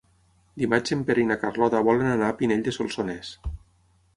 Dimarts en Pere i na Carlota volen anar a Pinell de Solsonès.